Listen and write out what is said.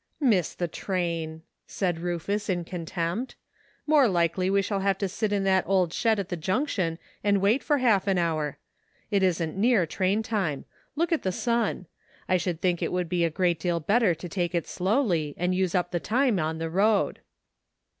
" Miss the train !" said Rufus, in contempt, *'A PRETTY STATE OF THINGS.'' 43 " more likely we shall have to sit in that old shed at the junction and wait for half an hour. It isn't near train time. Look at the sun. I should think it would be a great deal better to take it slowly and use up the time on tlie road."